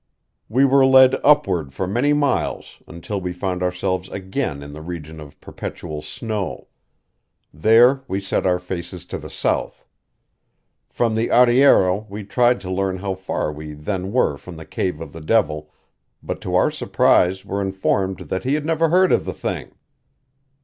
We were led upward for many miles until we found ourselves again in the region of perpetual snow. There we set our faces to the south. From the arriero we tried to learn how far we then were from the cave of the devil, but to our surprise were informed that he had never heard of the thing.